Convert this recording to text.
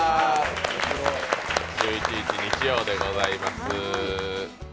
１１日日曜でございます。